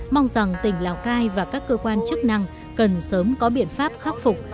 mong rằng tỉnh lào cai và các cơ quan chức năng cần sớm có biện pháp khắc phục